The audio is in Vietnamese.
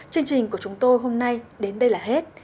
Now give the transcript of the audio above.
chương trình của chúng tôi hôm nay đến đây là hết